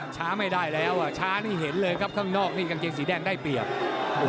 ช้าไม่ได้แล้วอ่ะช้านี่เห็นเลยครับข้างนอกนี่กางเกงสีแดงได้เปรียบ